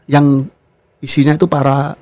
yang isinya itu para